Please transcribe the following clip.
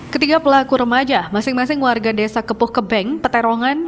ketiga pelaku remaja masing masing warga desa kepuh kebeng peterongan